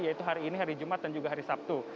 yaitu hari ini hari jumat dan juga hari sabtu